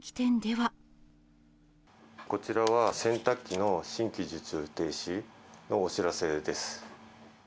こちらは、洗濯機の新規受注停止のお知らせです。